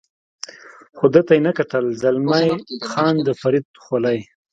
خو ده ته یې نه کتل، زلمی خان د فرید خولۍ.